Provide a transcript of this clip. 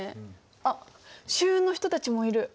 あっ舟運の人たちもいる。